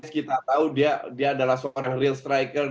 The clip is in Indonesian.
kita tahu dia adalah seorang striker yang benar